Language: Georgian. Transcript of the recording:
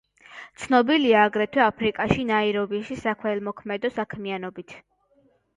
ცნობილია აგრეთვე აფრიკაში, ნაირობიში საქველმოქმედო საქმიანობით.